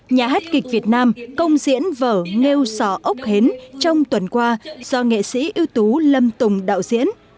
nhà hát kịch việt nam công diễn vở nghêu sỏ ốc hến trong tuần qua do nghệ sĩ ưu tú lâm tùng đạo diễn